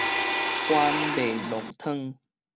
番麥濃湯